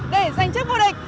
để giành chức vô địch